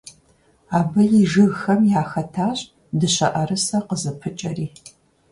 Абы и жыгхэм яхэтащ дыщэӀэрысэ къызыпыкӀэри.